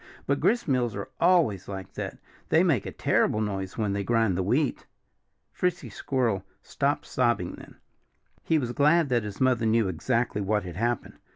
But gristmills are always like that. They make a terrible noise when they grind the wheat." Frisky Squirrel stopped sobbing then. He was glad that his mother knew exactly what had happened.